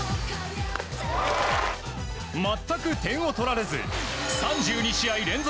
全く点を取られず３２試合連続